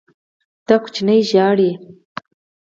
دا ماشوم ژاړي.